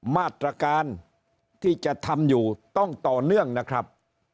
มาตรการที่จะทำอยู่ต้องต่อเนื่องนะครับ